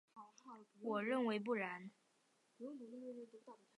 我认为不然。